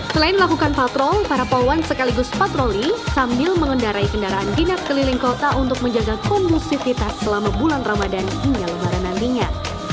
selain melakukan patrol para poluan sekaligus patroli sambil mengendarai kendaraan dinas keliling kota untuk menjaga kondusivitas selama bulan ramadan hingga lebaran nantinya